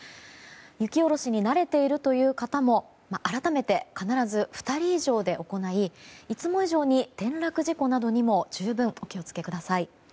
雪下ろしに慣れているという方も改めて、必ず２人以上で行いいつも以上に転落事故などにも十分お気を付けください。